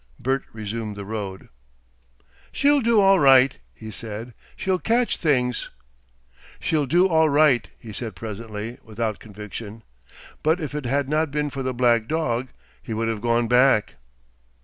Bert resumed the road. "She'll do all right," he said.... "She'll catch things. "She'll do all right," he said presently, without conviction. But if it had not been for the black dog, he would have gone back.